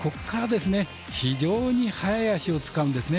非常に速い脚を使うんですね。